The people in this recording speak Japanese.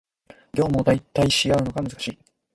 業務を代替し合うのが難しい